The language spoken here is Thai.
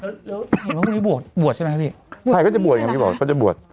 เห็นว่าพวกนี้บวชบวชใช่ไหมครับพี่ใช่ก็จะบวชอย่างงั้นพี่บอกก็จะบวช